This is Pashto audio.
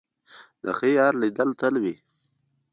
د ښه یار لیدل تل وي.